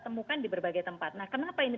temukan di berbagai tempat nah kenapa ini